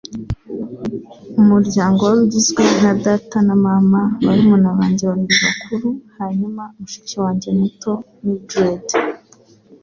Umuryango wari ugizwe na data na mama, barumuna banjye babiri bakuru, hanyuma, mushiki wanjye muto, Mildred.